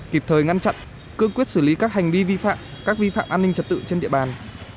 kịp thời ngăn chặn cư quyết xử lý các hành vi vi phạm các vi phạm an ninh trật tự trên địa bàn